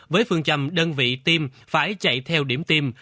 với phương trầm đơn vị tiêm phải chạy theo điểm tiêm